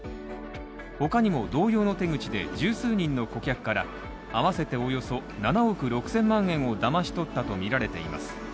他にも同様の手口で十数人の顧客から合わせておよそ７億６０００万円をだまし取ったとみられています。